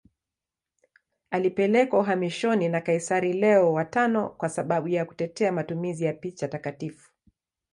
Alipelekwa uhamishoni na kaisari Leo V kwa sababu ya kutetea matumizi ya picha takatifu.